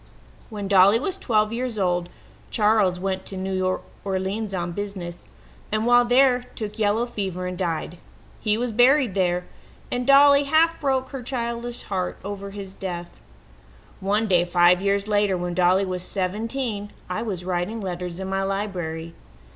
"When Dolly was twelve years old Charles went to New Orleans on business, and while there took yellow fever and died. He was buried there, and Dolly half broke her childish heart over his death. "One day, five years later, when Dolly was seventeen, I was writing letters in my library.